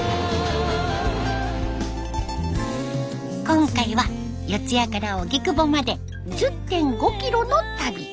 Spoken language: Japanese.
今回は四ツ谷から荻窪まで１０．５キロの旅。